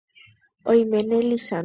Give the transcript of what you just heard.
Ohomeme Lizandra